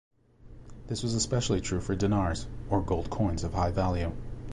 This was especially true for dinars, or gold coins of high value.